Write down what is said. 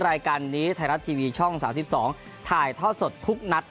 รายการนี้ไทยรัฐทีวีช่อง๓๒ถ่ายทอดสดทุกนัด